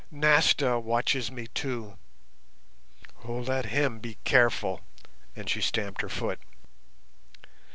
Nasta watches me too. Oh, let him be careful!" and she stamped her foot.